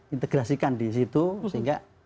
integrasikan disitu sehingga